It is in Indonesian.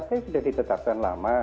enggak ukt sudah ditetapkan lama